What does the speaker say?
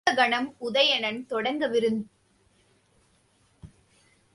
அடுத்த கணம் உதயணன் தொங்க விட்டிருந்த மாலையை எடுத்து மார்போடு அனைத்துக் கொண்டாள்.